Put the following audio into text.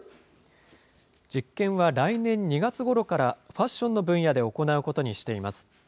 実験は来年２月ごろから、ファッションの分野で行うことにしています。